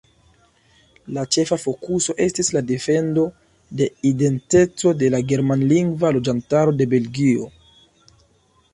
La ĉefa fokuso estis la defendo de identeco de la germanlingva loĝantaro de Belgio.